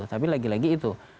tapi lagi lagi itu